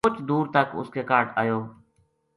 مُچ دور تک اس کے کاہڈ آیو